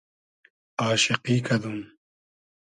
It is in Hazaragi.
آشیقی کئدوم